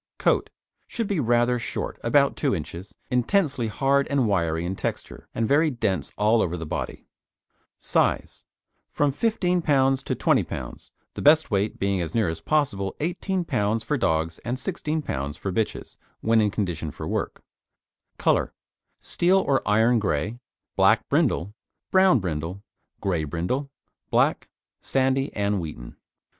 COAT Should be rather short (about 2 inches), intensely hard and wiry in texture, and very dense all over the body. SIZE From 15 lb. to 20 lb.; the best weight being as near as possible 18 lb. for dogs, and 16 lb. for bitches when in condition for work. COLOUR Steel or iron grey, black brindle, brown brindle, grey brindle, black, sandy and wheaten.